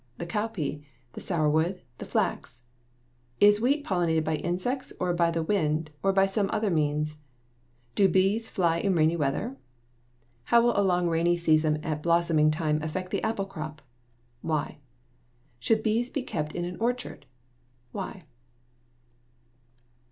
the cowpea? the sourwood? the flax? Is wheat pollinated by insects or by the wind or by some other means? Do bees fly in rainy weather? How will a long rainy season at blossoming time affect the apple crop? Why? Should bees be kept in an orchard? Why?